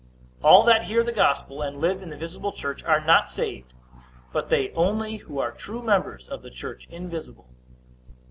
All that hear the gospel, and live in the visible church, are not saved; but they only who are true members of the church invisible.